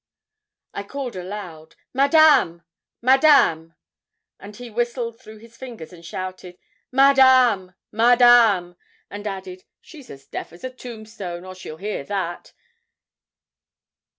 I called aloud, 'Madame, Madame!' and he whistled through his fingers, and shouted, 'Madame, Madame,' and added, 'She's as deaf as a tombstone, or she'll hear that.